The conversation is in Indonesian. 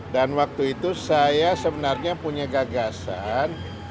dan waktu itu saya sebenarnya punya gagasan